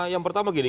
yang pertama gini